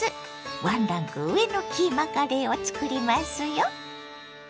ワンランク上のキーマカレーをつくりますよ。